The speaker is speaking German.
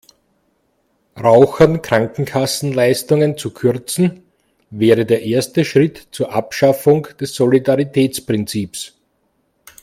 Rauchern Krankenkassenleistungen zu kürzen, wäre der erste Schritt zur Abschaffung des Solidaritätsprinzips.